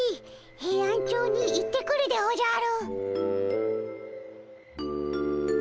ヘイアンチョウに行ってくるでおじゃる。